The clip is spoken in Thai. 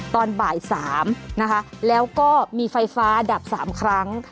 ตอนบ่าย๓นะคะแล้วก็มีไฟฟ้าดับ๓ครั้ง